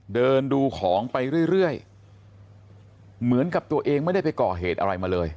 เดินดูของไปเรื่อยเหมือนกับตัวเองไม่ได้ไปก่อเหตุอะไรมาเลย